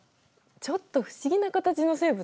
ちょっと不思議な形の生物？